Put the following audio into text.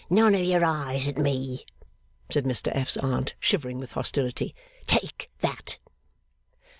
'None of your eyes at me,' said Mr F.'s Aunt, shivering with hostility. 'Take that.